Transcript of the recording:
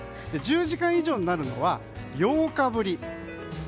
１０時間以上になるのは８日ぶりなんです。